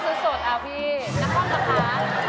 ต้องซื้อสดเอาพี่แล้วก็ราคา